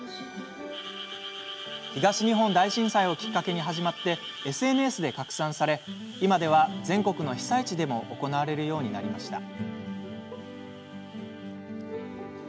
東日本大震災をきっかけに始まりＳＮＳで拡散され今では、全国の被災地でも行われるようになりました。